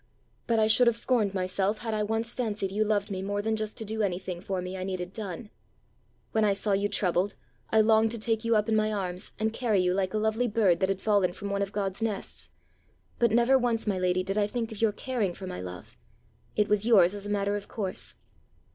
But I should have scorned myself had I once fancied you loved me more than just to do anything for me I needed done. When I saw you troubled, I longed to take you up in my arms, and carry you like a lovely bird that had fallen from one of God's nests; but never once, my lady, did I think of your caring for my love: it was yours as a matter of course.